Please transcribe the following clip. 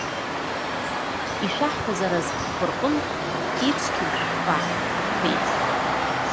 Ишәаҳҭаз аразҟқәа рҟынтә ицқьоу шәфа,- ҳҳәеит.